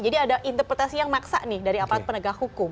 jadi ada interpretasi yang maksa nih dari apalagi penegak hukum